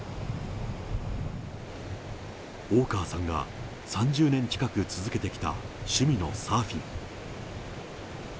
大川さんが３０年近く続けてきた趣味のサーフィン。